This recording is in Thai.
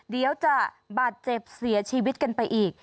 เดี๋ยวจะบาดเจ็บเสียชีวิตกันไปอีก